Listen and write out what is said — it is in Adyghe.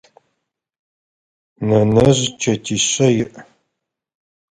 Нэнэжъ чэтишъэ иӏ.